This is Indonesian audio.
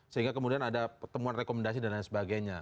sehingga kemudian ada temuan rekomendasi dan lain sebagainya